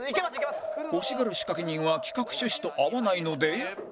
欲しがる仕掛人は企画趣旨と合わないので